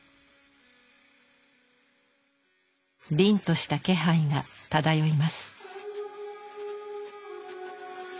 凛とした気配が漂います。